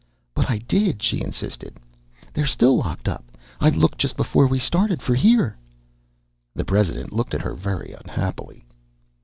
"But I did!" she insisted. "They're still locked up. I looked just before we started for here!" The president looked at her very unhappily.